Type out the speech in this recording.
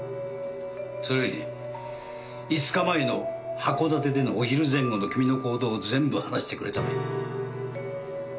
それより５日前の函館でのお昼前後の君の行動を全部話してくれたまえ。